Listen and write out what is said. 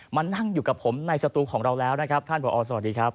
มานั่งอยู่กับผมในสตูของเราแล้วนะครับท่านผอสวัสดีครับ